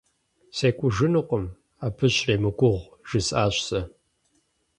СекӀужынукъым, абы щремыгугъ! – жысӀащ сэ.